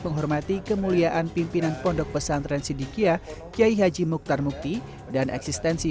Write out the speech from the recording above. menghormati kemuliaan pimpinan pondok pesantren sidikiyah kiai haji mukhtar mukti dan eksistensi